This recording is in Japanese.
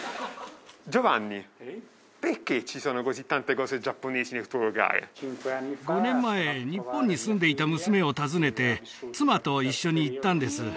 ジョヴァンニ５年前日本に住んでいた娘を訪ねて妻と一緒に行ったんです